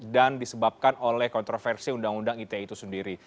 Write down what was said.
dan disebabkan oleh kontroversi undang undang ite itu sendiri